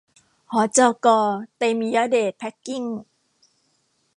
หจก.เตมิยะเดชแพคกิ้ง